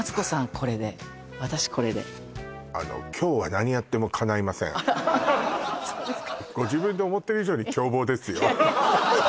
これで私これであらっそうですか